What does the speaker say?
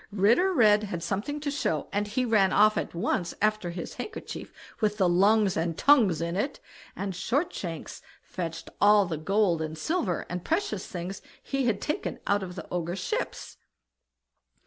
Ritter Red had something to show, and he ran off at once after his handkerchief with the lungs and tongues in it, and Shortshanks fetched all the gold and silver, and precious things, he had taken out of the Ogres' ships.